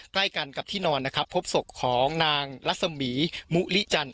ใกล้กันกับที่นอนนะครับพบศพของนางลัศมีมุลิจันท